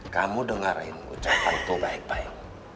kamu dengarin ucapan ku baik baik